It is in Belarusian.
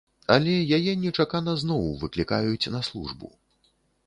Але яе нечакана зноў выклікаюць на службу.